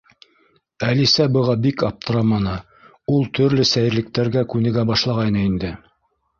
Әлисә быға бик аптыраманы —ул төрлө сәйерлектәргә күнегә башлағайны инде.